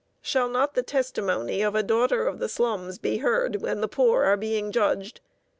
Shall not the testimony of a daughter of the slums be heard when the poor are being judged?